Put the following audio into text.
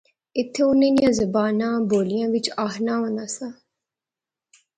ایہھے انیں نیاں زباناں بولیا وچ آخنونا سا